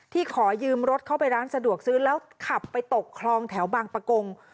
ขอยืมรถเข้าไปร้านสะดวกซื้อแล้วขับไปตกคลองแถวบางประกง